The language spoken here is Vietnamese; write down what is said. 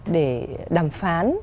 để đàm phán